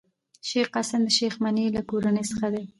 شېخ قاسم د شېخ مني له کورنۍ څخه دﺉ.